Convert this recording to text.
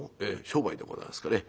商売でございますからね。